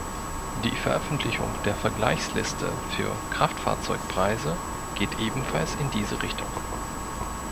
Die Veröffentlichung der Vergleichsliste für Kraftfahrzeugpreise geht ebenfalls in diese Richtung.